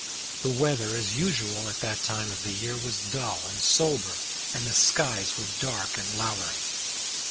The weather, as usual at that time of the year, was dull and sober, and the skies were dark and lowering.